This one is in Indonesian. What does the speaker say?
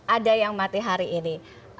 ada yang mati hari ini